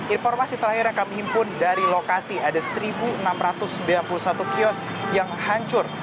informasi terakhir yang kami himpun dari lokasi ada satu enam ratus sembilan puluh satu kios yang hancur